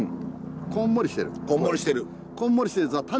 こんもりしてる。